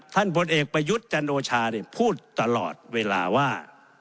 ท่านบทเอกประยุทธ์จันโลชาเนี้ยพูดตลอดเวลาว่า